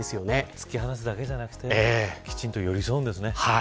突き放すだけじゃなくてきちんと、寄り添うんですね。